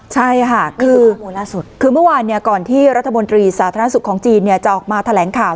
ใช่ค่ะคือเมื่อวานก่อนที่รัฐมนตรีสาธารณสุขของจีนจะออกมาแถลงข่าว